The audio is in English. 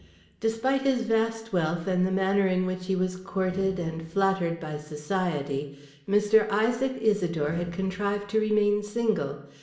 Despite his vast wealth and the manner in which he was courted and flattered by society, Mr. Isaac Isidore had contrived to remain single.